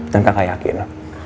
dan kakak yakin